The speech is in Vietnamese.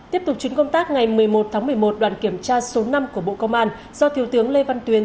tiếp tục chuyến công tác ngày một mươi một tháng một mươi một đoàn kiểm tra số năm của bộ công an do thiếu tướng lê văn tuyến